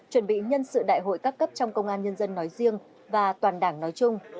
chuẩn bị nhân sự đại hội các cấp trong công an nhân dân nói riêng và toàn đảng nói chung